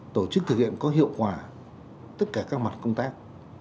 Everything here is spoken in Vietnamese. tổ chức thực hiện có hiệu quả tất cả các mặt công tác